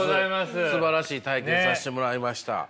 すばらしい体験さしてもらいました。